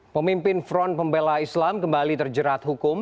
pemimpin front pembela islam kembali terjerat hukum